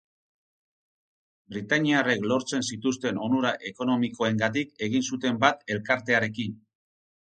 Britainiarrek lortzen zituzten onura ekonomikoengatik egin zuten bat elkartearekin.